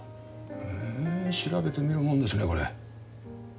へえ調べてみるもんですねこれ。